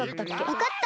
わかった！